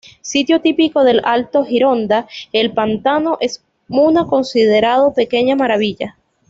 Sitio típico del Alto Gironda, el pantano es una considerado pequeña maravilla.